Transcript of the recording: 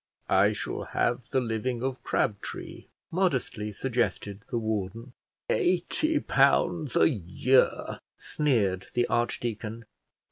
"I shall have the living of Crabtree," modestly suggested the warden. "Eighty pounds a year!" sneered the archdeacon.